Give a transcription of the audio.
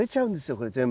これ全部。